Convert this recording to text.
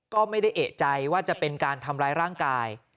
ก็ไม่ได้เอกใจว่าจะเป็นการทำร้ายร่างกาย